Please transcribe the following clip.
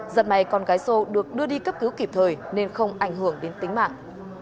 giật may con gái sô được đưa đi cấp cứu kịp thời nên không ảnh hưởng đến tính mạng